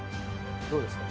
どうですか？